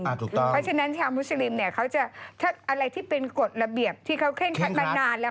เพราะฉะนั้นชาวมุสลิมอะไรที่เป็นกฎระเบียบที่เขาเคล่งคัดมานานแล้ว